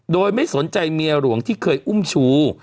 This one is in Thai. โดยไม่สนใจเมียหลวงที่เคยอุ้มชู